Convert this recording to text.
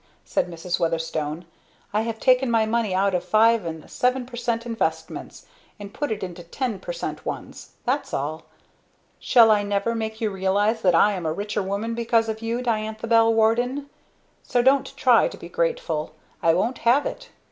said Mrs. Weatherstone. "I have taken my money out of five and seven per cent investments, and put it into ten per cent ones, that's all. Shall I never make you realize that I am a richer woman because of you, Diantha Bell Warden! So don't try to be grateful I won't have it!